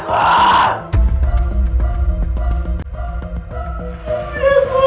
jangan dengerin aku